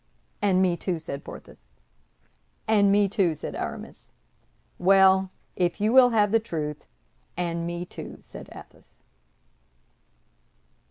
"And me, too!" said Porthos. "And me, too!" said Aramis. "Well, if you will have the truth, and me, too!" said Athos.